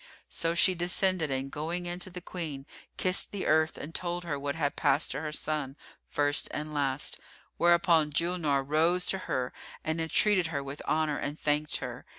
So she descended and going in to the Queen, kissed the earth and told her what had passed to her son, first and last, whereupon Julnar rose to her and entreated her with honour and thanked her.